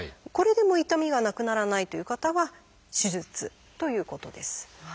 これでも痛みがなくならないという方は「手術」ということです。